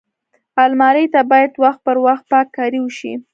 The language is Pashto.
الماري ته باید وخت پر وخت پاک کاری وشي